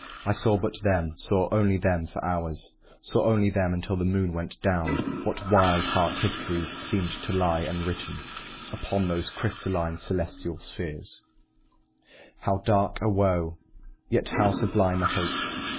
I saw but them saw only them for hours, Saw only them until the moon went down. What wild heart histories seemed to lie enwritten Upon those crystalline, celestial spheres! [Illustration: To Helen] How dark a woe, yet how sublime a hope!